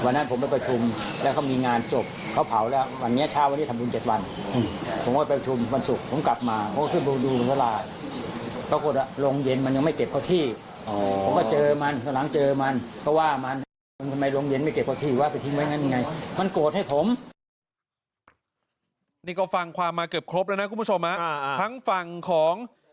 นี่ก็ฟังความมาเกือบครบแล้วนะคุณผู้ชมทั้งฝั่งของ